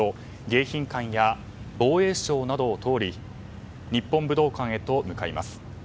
迎賓館や防衛省などを通り日本武道館へと向かいます。